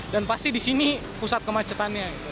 dan pasti di sini pusat kemacetannya